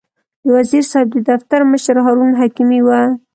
د وزیر صاحب د دفتر مشر هارون حکیمي و.